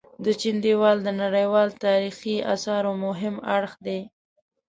د چين ديوال د نړيوال تاريخي اثارو مهم اړخ دي.